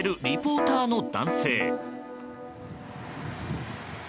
リポーターの男性。